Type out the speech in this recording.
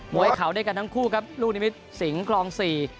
วยเขาด้วยกันทั้งคู่ครับลูกนิมิตรสิงห์คลองสี่